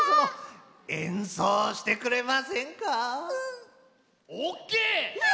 演奏してくれませんか？ＯＫ！